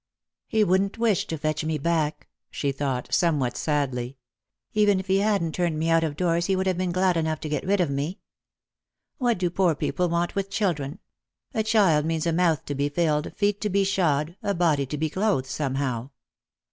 " He wouldn't wish to fetch me back," she thought, somewhat sadly. " Even if he, hadn't turned me out of doors he would have been glad enough to get rid of me. What do poor people want with children ? A child means a mouth to be filled, feet to be shod, a body to be clothed somehow.